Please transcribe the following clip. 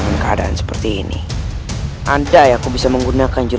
aku tidak mungkin